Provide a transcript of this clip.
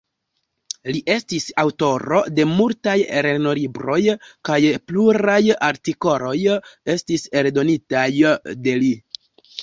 Li estis aŭtoro de multaj lernolibroj kaj pluraj artikoloj estis eldonitaj de li.